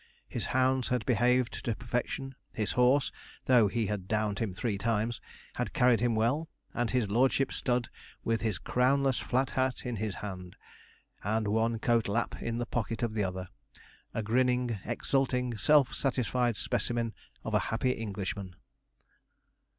His hounds had behaved to perfection; his horse though he had downed him three times had carried him well, and his lordship stood with his crownless flat hat in his hand, and one coat lap in the pocket of the other a grinning, exulting, self satisfied specimen of a happy Englishman.